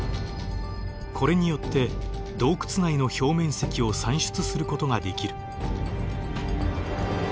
これによって洞窟内の表面積を算出することができる。